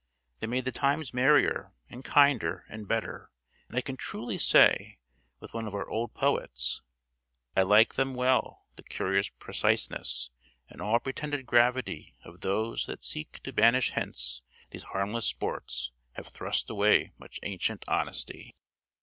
They made the times merrier, and kinder, and better; and I can truly say, with one of our old poets, "I like them well the curious preciseness And all pretended gravity of those That seek to banish hence these harmless sports, Have thrust away much ancient honesty.